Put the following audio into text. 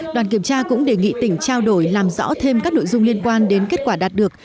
đoàn kiểm tra cũng đề nghị tỉnh trao đổi làm rõ thêm các nội dung liên quan đến kết quả đạt được